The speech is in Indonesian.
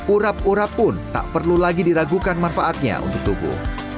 urap urap pun tak perlu lagi diragukan manfaatnya untuk tubuh